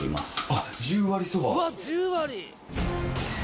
あっ十割そば。